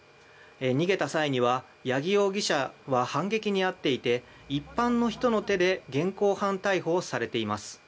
逃げた際には八木容疑者は反撃に遭っていて一般の人の手で現行犯逮捕されています。